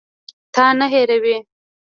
تا نه هېروي.